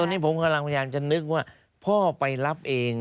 ตอนนี้ผมกำลังพยายามจะนึกว่าพ่อไปรับเอง